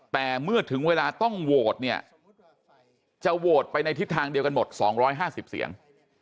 แต่เมื่อถึงเวลาต้องโหวตเนี่ยจะโหวตไปในทิศทางเดียวกันหมด๒๕๐เสียง